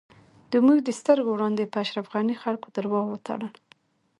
زموږ د سترږو وړاندی په اشرف غنی خلکو درواغ وتړل